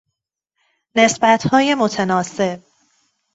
نسبت های متناسب